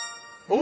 お！